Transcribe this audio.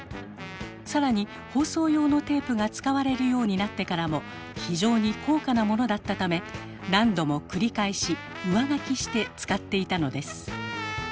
更に放送用のテープが使われるようになってからも非常に高価なものだったため何度も繰り返し上書きして使っていたのです。